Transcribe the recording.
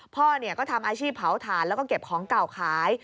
พ่อก็ทำอาชีพเผาถ่านแล้วก็เก็บของเก่าขาย